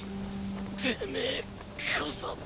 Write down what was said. てめェこそ！